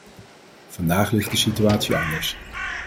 Vandaag ligt de situatie anders.